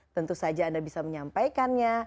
tentu saja anda bisa menyampaikannya